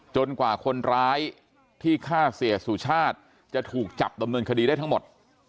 กว่าคนร้ายที่ฆ่าเสียสุชาติจะถูกจับดำเนินคดีได้ทั้งหมด